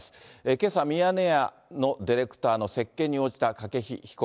けさ、ミヤネ屋のディレクターの接見に応じた筧被告。